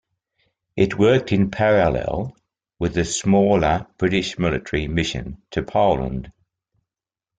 It worked in parallel with the smaller British Military Mission to Poland.